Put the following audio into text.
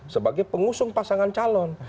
sebagai pengusung pasangan calon